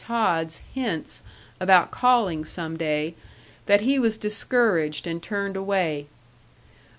Todd's hints about calling some day, that he was discouraged and turned away.